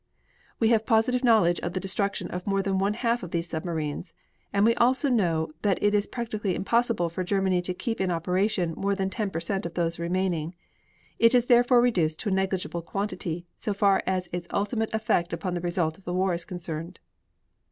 We have positive knowledge of the destruction of more than one half of these submarines, and we also know that it is practically impossible for Germany to keep in operation more than 10 per cent of those remaining. It is therefore reduced to a negligible quantity so far as its ultimate effect upon the result of the war is concerned.